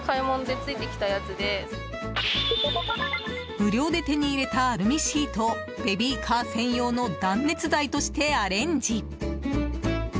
無料で手に入れたアルミシートをベビーカー専用の断熱材としてアレンジ。